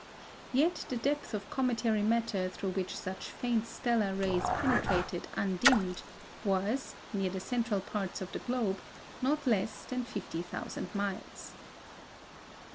Yet the depth of cometary matter through which such faint stellar rays penetrated undimmed, was, near the central parts of the globe, not less than 50,000 miles.